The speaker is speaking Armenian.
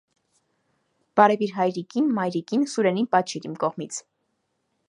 Բարևիր հայրիկին, մայրիկին, Սուրենին պաչիր իմ կողմից: